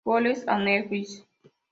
Goles a Newell's